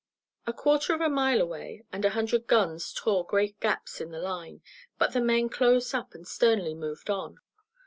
A quarter of a mile away, and a hundred guns tore great gaps in the line, but the men closed up and sternly moved on.